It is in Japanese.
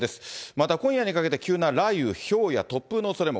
また今夜にかけて急な雷雨、ひょうや突風のおそれも。